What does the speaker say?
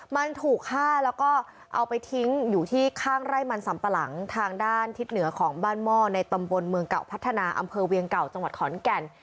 มันถูกฆ่าแล้วก็เอาไปทิ้งอยู่ที่ข้างไร่มันสัมปะหลังทางด้านทิศเหนือของบ้านหม้อในตำบลเมืองเก่าพัฒนาอำเภอเวียงเก่าจังหวัดขอนแก่น